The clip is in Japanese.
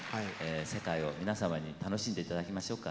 世界を皆様に楽しんでいただきましょうか。